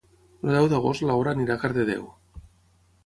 El deu d'agost na Laura irà a Cardedeu.